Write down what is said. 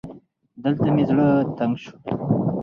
دلته مې زړه تنګ شو